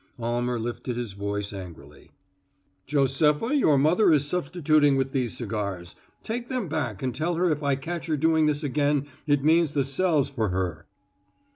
Almer lifted his voice angrily: "Josepha, your mother is substituting with these cigars. Take them back and tell her if I catch her doing this again it means the cells for her."